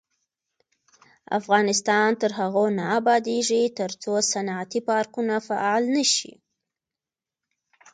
افغانستان تر هغو نه ابادیږي، ترڅو صنعتي پارکونه فعال نشي.